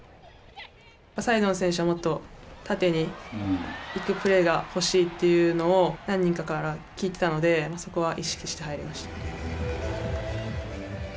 サイドの選手はもっと縦に行くプレーが欲しいというのを何人かから聞いていたのでそこは意識して入りました。